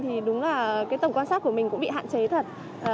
thì đúng là cái tầm quan sát của mình cũng bị hạn chế thật